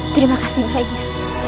terima kasih baiknya